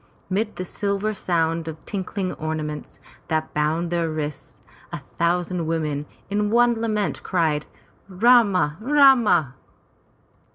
Mid the silver sound of tinkling ornaments that bound their wrists, a thousand women in one wild lament, cried, "Rama! Rama!''